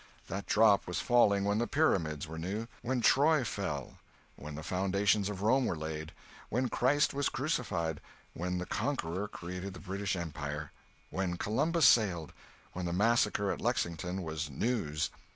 That drop was falling when the Pyramids were new; when Troy fell; when the foundations of Rome were laid; when Christ was crucified; when the Conqueror created the British empire; when Columbus sailed; when the massacre at Lexington was "news."